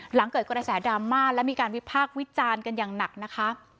หลังเกิดกระแสดราม่าและมีการวิพากษ์วิจารณ์กันอย่างหนักนะคะ